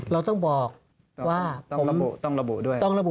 เราต้องบอกว่าผมต้องระบุด้วย